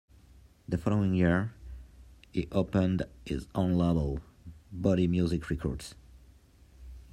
The following year, he opened his own label, Body Music Records.